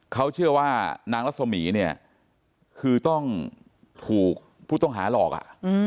เขาเชื่อว่านางรัสมีเนี่ยคือต้องถูกผู้ต้องหาหลอกอ่ะ